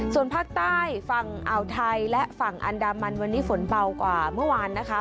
ส่วนภาคใต้ฝั่งอ่าวไทยและฝั่งอันดามันวันนี้ฝนเบากว่าเมื่อวานนะคะ